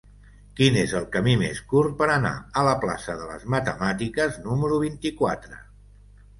Quin és el camí més curt per anar a la plaça de les Matemàtiques número vint-i-quatre?